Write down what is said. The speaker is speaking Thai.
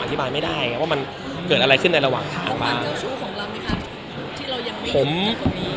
อธิบายไม่ได้ไงว่ามันเกิดอะไรขึ้นในระหว่างทางบ้างไหมคะที่เรายังมีผมก็มี